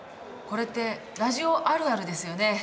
これって「ラジオあるある」ですよね。